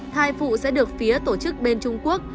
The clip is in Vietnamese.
thai phụ sẽ được phía tổ chức bên trung quốc